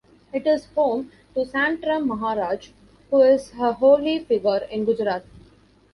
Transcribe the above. It is home to Santram Maharaj who is a holy figure in Gujarat.